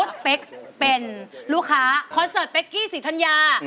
สมมุติเป็นลูกค้าคอนเสิร์ตเป๊กกี้ศรีธรรยา